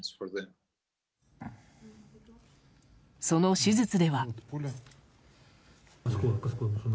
その手術では。